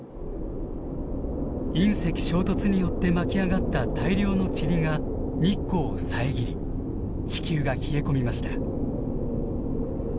隕石衝突によって巻き上がった大量のチリが日光を遮り地球が冷え込みました。